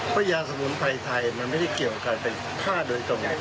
เพราะยาสมุนไพรไทยมันไม่ได้เกี่ยวกับการเป็นฆ่าโดยตรง